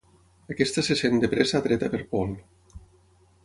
Aquesta se sent de pressa atreta per Paul.